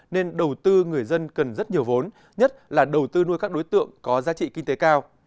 nên đầu tư người dân cần rất nhiều vốn nhất là đầu tư nuôi các đối tượng có giá trị kinh tế cao